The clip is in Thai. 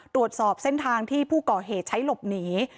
ตรวจสอบเส้นทางที่ผู้ก่อเหตุใช้หลบหนี